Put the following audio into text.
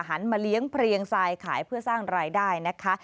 หันมาเลี้ยงเพลียงทรายขายเพื่อสร้างรายได้นะคะ